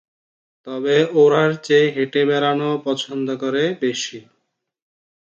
তবে ওড়ার চেয়ে হেঁটে বেড়ানো পছন্দ করে বেশি।